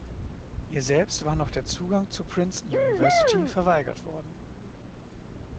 Ihr selbst war noch der Zugang zur Princeton University verweigert worden.